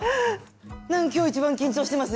なんか今日一番緊張してます。